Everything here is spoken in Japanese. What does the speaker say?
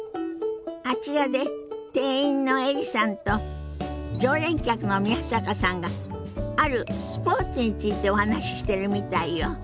あちらで店員のエリさんと常連客の宮坂さんがあるスポーツについてお話ししてるみたいよ。